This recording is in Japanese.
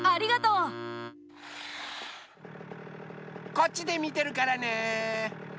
こっちでみてるからね！